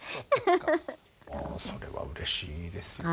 ああそれはうれしいですね。